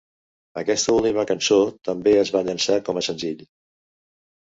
Aquesta última cançó també es va llançar com a senzill.